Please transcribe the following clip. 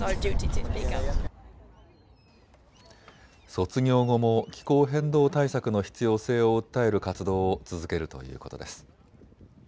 卒業後も気候変動対策の必要性を訴える活動を続けるということです。